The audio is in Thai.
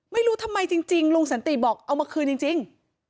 ไม่รู้ทำไมจริงลุงสันติบอกเอามาคืนจริง